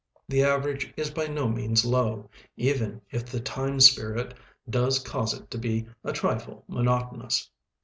The average is by no means low, even if the "time spirit" does cause it to be a trifle monotonous.